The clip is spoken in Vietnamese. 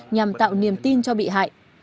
nhằm tạo niềm tin cho bị hại